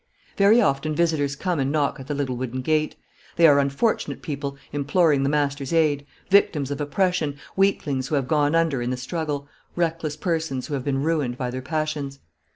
Very often visitors come and knock at the little wooden gate. They are unfortunate people imploring the master's aid, victims of oppression, weaklings who have gone under in the struggle, reckless persons who have been ruined by their passions.